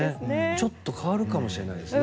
ちょっと変わるかもしれないですね。